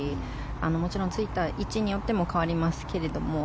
もちろん、ついた位置によっても変わりますけれども。